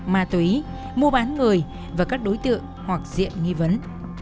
ma túy mua bán người và các đối tượng hoặc diện nghi vấn